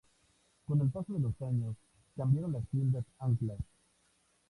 Con el paso de los años, cambiaron las tiendas anclas.